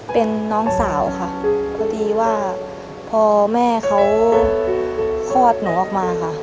เป็นน้องสาวค่ะพอดีว่าพอแม่เขาคลอดหนูออกมาค่ะ